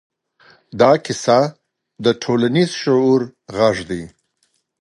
دا کیسه د ټولنیز شعور غږ دی.